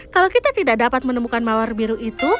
kalau kita tidak dapat menemukan mawar biru itu